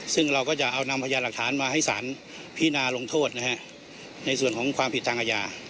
ซึ่งเราก็จะเอานำพยานหลักฐานมาให้สารพินาลงโทษนะฮะในส่วนของความผิดทางอาญา